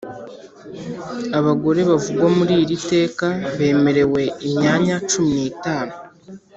abagore bavugwa muri iri teka bemerewe imyanya cumi n’itanu